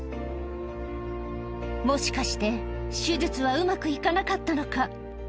もしかして手術はうまくいかなかったのか？